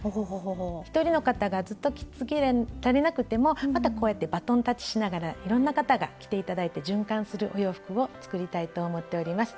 一人の方がずっと着続けられなくてもまたこうやってバトンタッチしながらいろんな方が着て頂いて循環するお洋服を作りたいと思っております。